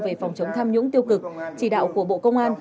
về phòng chống tham nhũng tiêu cực chỉ đạo của bộ công an